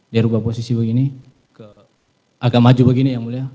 dia rubah posisi begini agak maju begini ya mulia